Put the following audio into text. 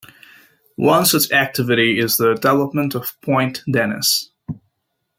One such activity is the development of Point Denis.